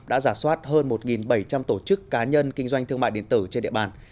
đã giả soát hơn một bảy trăm linh tổ chức cá nhân kinh doanh thương mại điện tử trên địa bàn